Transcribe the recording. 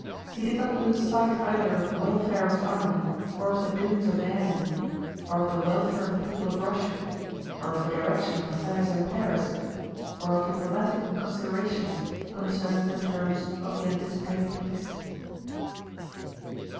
He did not lose sight either of the welfare of his army or of the doings of the enemy, or of the welfare of the people of Russia, or of the direction of affairs in Paris, or of diplomatic considerations concerning the terms of the anticipated peace.